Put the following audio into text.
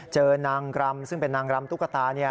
เจอนางรำซึ่งเป็นนางรำตุ๊กตา